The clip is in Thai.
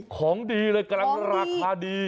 ของดีเลยกำลังราคาดี